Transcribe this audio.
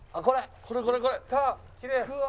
これこれこれ。